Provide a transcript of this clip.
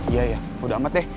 iya ya udah amat deh